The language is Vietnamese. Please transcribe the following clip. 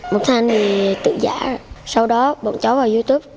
một tháng thì tự giả rồi sau đó bọn cháu vào youtube